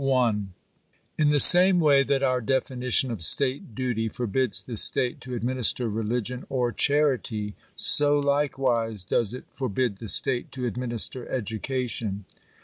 §1 ,1n the same way that our definition of state duty forbids the (state to administer religion or charity, so likewise does it for /bid the state to administer education.